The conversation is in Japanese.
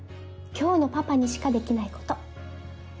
今日のパパにしかできないこと。